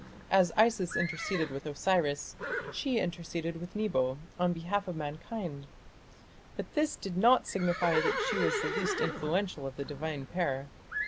As Isis interceded with Osiris, she interceded with Nebo, on behalf of mankind. But this did not signify that she was the least influential of the divine pair.